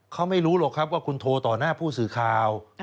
เขาไม่รู้หรอกครับว่าคุณโทรต่อหน้าผู้สื่อข่าว